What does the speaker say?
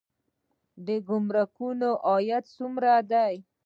د ګمرکونو عاید څومره دی؟